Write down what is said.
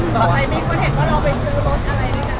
ถ้าใครไม่ควรเห็นว่าเราไปซื้อรถอะไรนะครับ